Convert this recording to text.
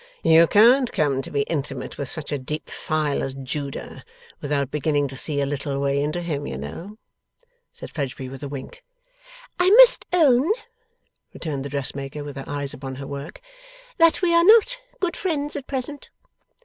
You can't come to be intimate with such a deep file as Judah without beginning to see a little way into him, you know,' said Fledgeby with a wink. 'I must own,' returned the dressmaker, with her eyes upon her work, 'that we are not good friends at present.